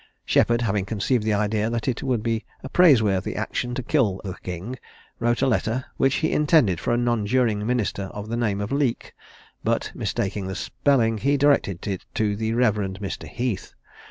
Sheppard, having conceived the idea that it would be a praiseworthy action to kill the king, wrote a letter, which he intended for a nonjuring minister of the name of Leake; but, mistaking the spelling, he directed it "To the Rev. Mr. Heath."